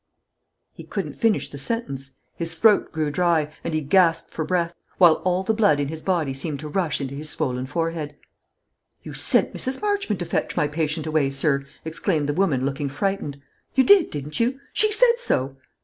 He couldn't finish the sentence. His throat grew dry, and he gasped for breath; while all the blood in his body seemed to rush into his swollen forehead. "You sent Mrs. Marchmont to fetch my patient away, sir," exclaimed the woman, looking frightened. "You did, didn't you? She said so!"